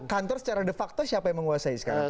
kantor secara de facto siapa yang menguasai sekarang